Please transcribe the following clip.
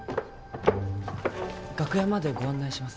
楽屋までご案内します。